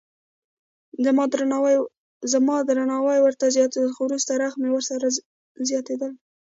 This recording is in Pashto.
زما درناوی ورته زیاتېده خو وروسته رخه مې ورسره زیاتېدله.